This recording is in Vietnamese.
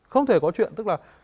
không thể có chuyện tức là